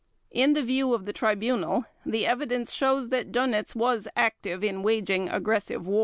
In the view of the Tribunal, the evidence shows that Dönitz was active in waging aggressive war.